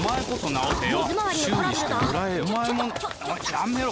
やめろ！